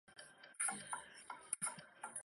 应天府乡试第一百十八名。